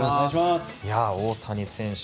大谷選手